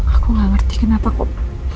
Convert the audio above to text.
aku gak ngerti kenapa kok